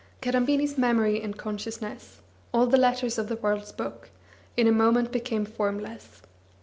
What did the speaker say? Kadambini's memory and consciousness, all the letters of the world's book, in a moment became formless.